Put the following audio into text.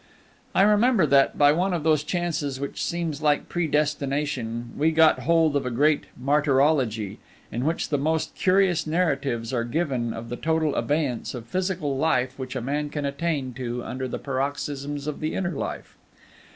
I remember that, by one of those chances which seems like predestination, we got hold of a great Martyrology, in which the most curious narratives are given of the total abeyance of physical life which a man can attain to under the paroxysms of the inner life.